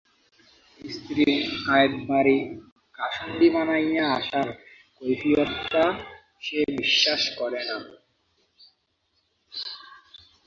স্ত্রীর কায়েতবাড়ি কাসুন্দি বানাইয়া আসার কৈফিয়তটা সে বিশ্বাস করে না।